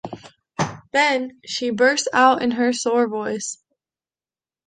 Then, she burst out in her sore voice.